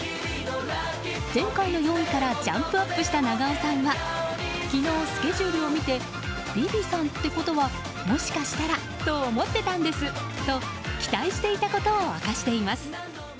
前回の４位からジャンプアップした長尾さんは昨日、スケジュールを見て「ＶｉＶｉ」さんってことはもしかしたらと思ってたんですと期待していたことを明かしています。